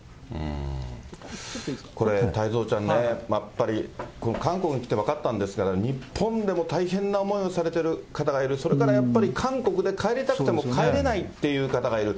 これ太蔵ちゃんね、やっぱり韓国に来て分かったんですけど、日本でも大変な思いをされてる方がいる、それから韓国で帰りたくても帰れないっていう方がいる。